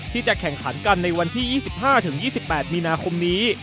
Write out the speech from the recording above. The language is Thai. ที่จะแข่งขันกันในวันที่๒๕๒๘มีนาคมนี้